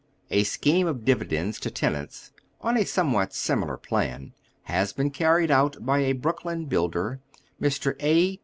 A scheme of dividends to tenants on a somewhat simi lar plan has been carried out by a Brooklyn builder, Mr, A.